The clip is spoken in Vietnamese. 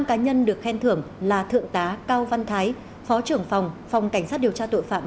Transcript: năm cá nhân được khen thưởng là thượng tá cao văn thái phó trưởng phòng phòng cảnh sát điều tra tội phạm